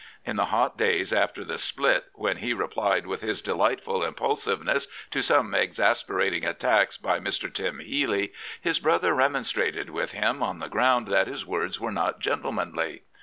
In the hot days after the " split," when he replied with his delightful impulsiveness to some exasperating attacks by Mr. " Tim " Healy, his brother remonstrated with him on the ground that his words were not " gentlemanly."